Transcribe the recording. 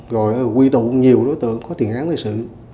rồi quy tụ nhiều đối tượng có tiền án về sự